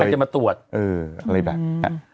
อะไรแบบนี้